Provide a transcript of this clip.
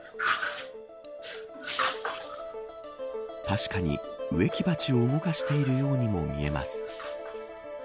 確かに植木鉢を動かしているようにも見えます。